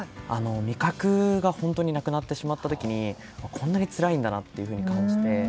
味覚が本当になくなってしまった時にこんなにつらいんだなと感じて。